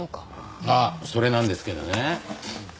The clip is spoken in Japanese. あっそれなんですけどね